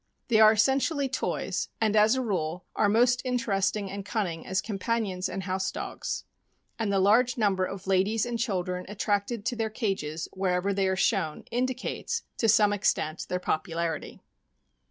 They are essentially toys, and, as a rule, are most interesting and cunning as compan ions and house dogs; and the large number of ladies and children attracted to their cages wherever they are shown indicates, to some extent, their popularity.